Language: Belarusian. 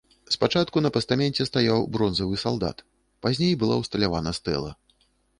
Спачатку на пастаменце стаяў бронзавы салдат, пазней была ўсталявана стэла.